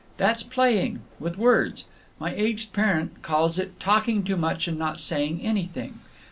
That's playing. With words. My aged parent calls it 'talking too much and not saying anything.